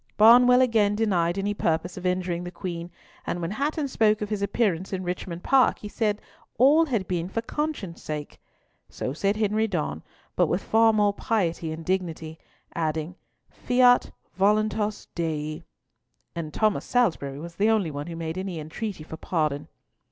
Barnwell again denied any purpose of injuring the Queen, and when Hatton spoke of his appearance in Richmond Park, he said all had been for conscience sake. So said Henry Donne, but with far more piety and dignity, adding, "fiat voluntas Dei;" and Thomas Salisbury was the only one who made any entreaty for pardon.